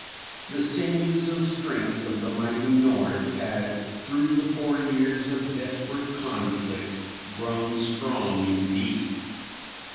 The sinews of strength of the mighty North had through the four years of desperate conflict grown strong indeed.